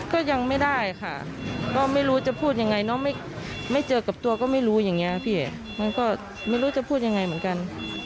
ก็ยังไม่ได้ค่ะก็ไม่รู้จะพูดยังไงเนาะไม่เจอกับตัวก็ไม่รู้อย่างนี้พี่มันก็ไม่รู้จะพูดยังไงเหมือนกัน